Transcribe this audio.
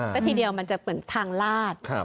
ซะทีเดียวมันจะเหมือนทางลาด